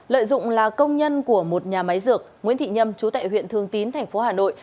lợi dụng là công nhân của một nhà máy dược nguyễn thị nhâm trú tại huyện thường tín thành phố hà nội